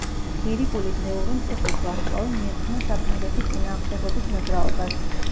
ლირიკული დღიური „მწუხრის ვარსკვლავი“ მიეძღვნა საფრანგეთის „წინააღმდეგობის“ მოძრაობას.